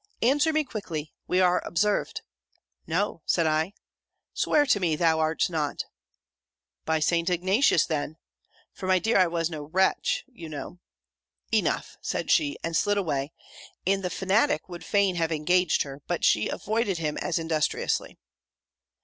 Answer me quickly! We are observed.' 'No,' said I. 'Swear to me, thou art not.' 'By St. Ignatius, then;' for, my dear, I was no wretch, you know. 'Enough!' said she, and slid away; and the Fanatic would fain have engaged her, but she avoided him as industriously.